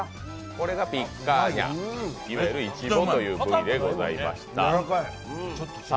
これがピッカーニャ、いわゆるイチボという部位でございました。